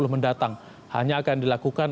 mendatang hanya akan dilakukan